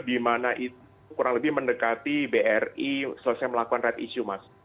di mana itu kurang lebih mendekati bri selesai melakukan right issue mas